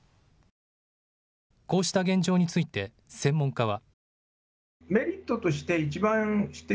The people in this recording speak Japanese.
こうした現状について専門家は。